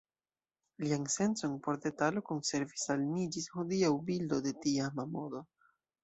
Lian sencon por detalo konservis al ni ĝis hodiaŭ bildo de tiama modo.